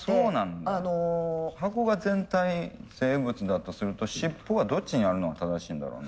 箱が全体生物だとすると尻尾がどっちにあるのが正しいんだろう？